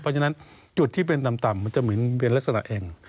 เพราะฉะนั้นจุดที่เป็นต่ำมันจะเหมือนเป็นลักษณะเอง